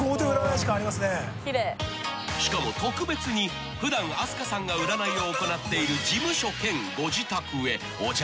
［しかも特別に普段飛鳥さんが占いを行っている事務所兼ご自宅へお邪魔させていただくことに］